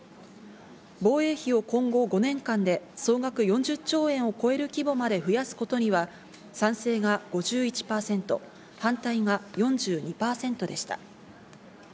防衛費を今後５年間で総額４０兆円を超える規模まで増やすことには賛成が５１％、反対が４２％でした。